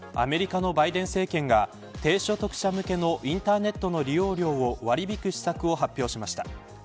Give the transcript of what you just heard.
アメリカのバイデン政権が低所得世帯のインターネット料金を割引施策を発表しました。